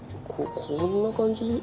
こんな感じ？